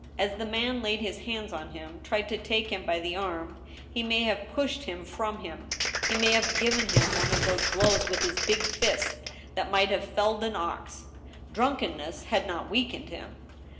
As the man laid his hands on him, tried to take him by the arm, he may have pushed him from him. He may have given him one of those blows with his big fists that might have felled ^ ox — drunkenness had not weakened him.